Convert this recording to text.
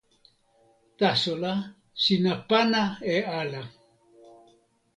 taso la, sina pana e ala.